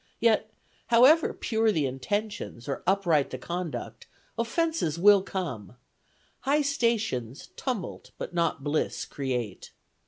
Yet, however pure the intentions or upright the conduct, offences will come, High stations tumult but not bliss create.